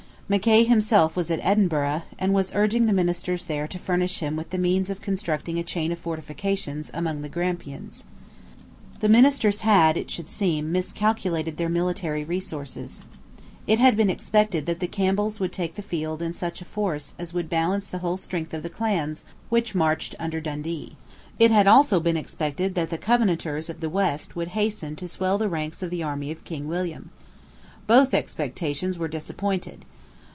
Mackay himself was at Edinburgh, and was urging the ministers there to furnish him with the means of constructing a chain of fortifications among the Grampians. The ministers had, it should seem, miscalculated their military resources. It had been expected that the Campbells would take the field in such force as would balance the whole strength of the clans which marched under Dundee. It had also been expected that the Covenanters of the West would hasten to swell the ranks of the army of King William. Both expectations were disappointed.